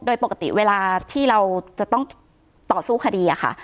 โดยปกติเวลาที่เราจะต้องต่อสู้คดีอะค่ะ